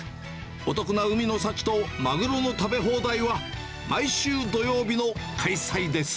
お得な海の幸と、マグロの食べ放題は、毎週土曜日の開催です。